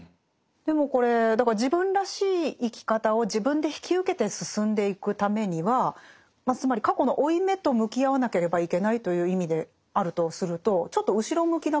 でもこれだから自分らしい生き方を自分で引き受けて進んでいくためにはまあつまり過去の負い目と向き合わなければいけないという意味であるとするとちょっと後ろ向きな考えと言えますか？